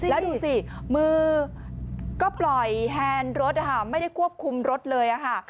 แล้วดูสิมือก็ปล่อยแฮนด์รถไม่ได้ควบคุมรถเลยค่ะ